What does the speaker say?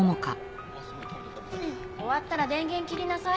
終わったら電源切りなさい。